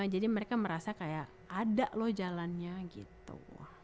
jadi mereka merasa kayak ada loh jalannya gitu